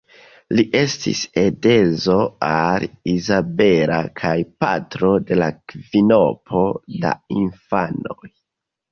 Li estis edzo al Izabela kaj patro de kvinopo da infanoj.